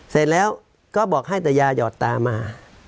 เสร็จแล้วก็บอกให้แต่ยาหยอดตามา